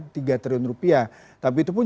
tiga triliun rupiah tapi itu pun